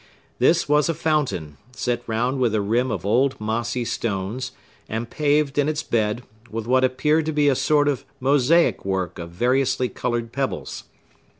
This was a fountain, set round with a rim of old mossy stones, and paved, in its bed, with what appeared to be a sort of mosaic work of variously colored pebbles.